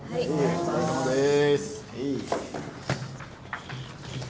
お疲れさまです。